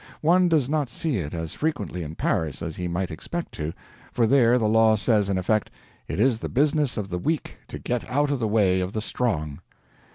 One does not see it as frequently in Paris as he might expect to, for there the law says, in effect, "It is the business of the weak to get out of the way of the strong."